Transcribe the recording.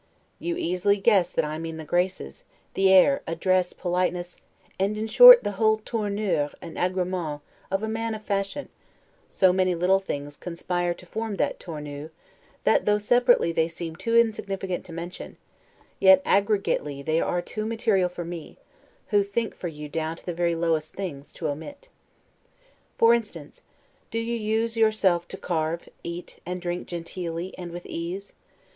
You easily guess that I mean the graces, the air, address, politeness, and, in short, the whole 'tournure' and 'agremens' of a man of fashion; so many little things conspire to form that 'tournure', that though separately they seem too insignificant to mention, yet aggregately they are too material for me (who think for you down to the very lowest things) to omit. For instance, do you use yourself to carve, eat and drink genteelly, and with ease?